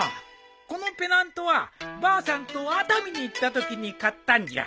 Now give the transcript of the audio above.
このペナントはばあさんと熱海に行った時に買ったんじゃ。